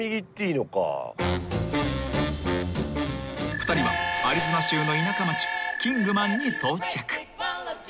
［２人はアリゾナ州の田舎町キングマンに到着］